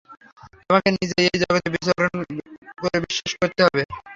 তোমাকে নিজে এই জগতে বিচরণ করে বিশ্বাস করতে হবে!